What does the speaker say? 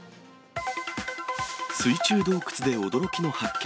水中洞窟で驚きの発見。